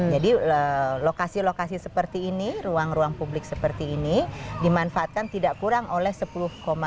jadi lokasi lokasi seperti ini ruang ruang publik seperti ini dimanfaatkan tidak kurang oleh rp sepuluh lima juta